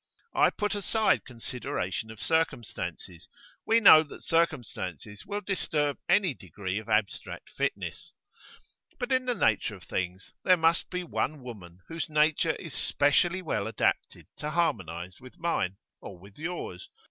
I put aside consideration of circumstances; we know that circumstances will disturb any degree of abstract fitness. But in the nature of things there must be one woman whose nature is specially well adapted to harmonise with mine, or with yours.